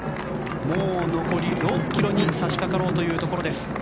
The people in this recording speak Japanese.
もう残り６ｋｍに差しかかろうというところです。